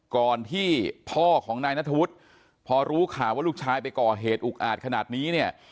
ก่อนที่พ่อของนายนัทธวุฒิพอรู้ข่าวว่าลูกชายไปก่อเหตุอุกอาจขนาดนี้เนี่ย